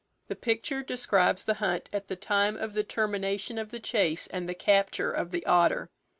The picture describes the hunt at the time of the termination of the chase and the capture of the otter.